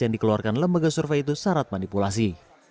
dan lembaga survei itu syarat manipulasi